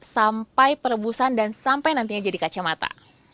sampai perebusan dan sampai nantinya jadi kacamata